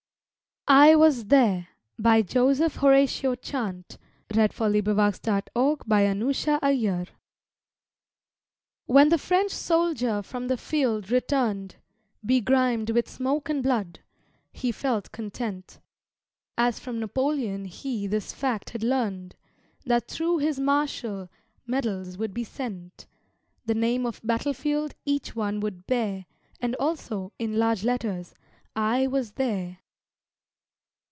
the seer's revealing glass, Remember this, "All flesh is as the grass." "I WAS THERE" When the French soldier from the field returned, Begrimed with smoke and blood, he felt content, As from Napoleon he this fact had learned, That thro' his marshall, medals would be sent, The name of battlefield each one would bear, And, also, in large letters, "_I was there.